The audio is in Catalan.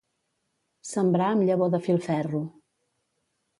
Sembrar amb llavor de filferro.